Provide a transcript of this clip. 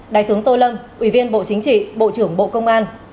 đại tướng tô lâm ủy viên bộ chính trị bộ trưởng bộ công an